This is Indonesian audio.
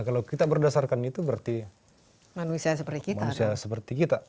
kalau kita berdasarkan itu berarti manusia seperti kita